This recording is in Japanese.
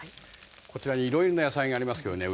こちらにいろんな野菜がありますけどね